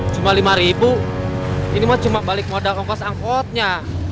cuma lima ribu ini mah cuma balik modal ongkos angkotnya